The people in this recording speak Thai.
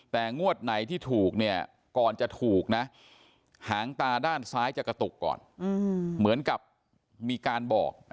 แต่งวดไหนที่ถูกเนี่ยก่อนจะถูกนะหางตาด้านซ้ายจะกระตุกก่อนเหมือนกับมีการบอก